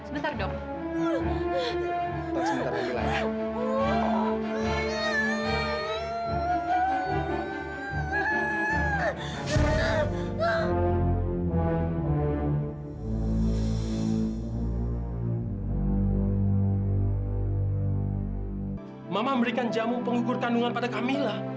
mama memberikan jamu pengukur kandungan pada kamila